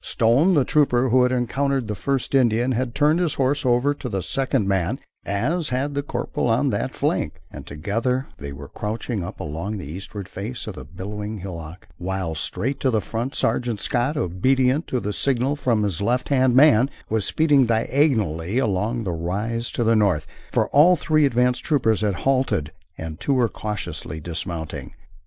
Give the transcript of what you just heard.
Stone, the trooper who had reported the first Indian, had turned his horse over to the second man, as had the corporal on that flank, and together they were crouching up along the eastward face of a billowing hillock, while, straight to the front Sergeant Scott, obedient to a signal from his left hand man, was speeding diagonally along the rise to the north, for all three advance troopers had halted and two were cautiously dismounting.